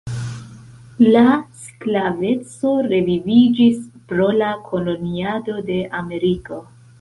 La sklaveco reviviĝis pro la koloniado de Ameriko.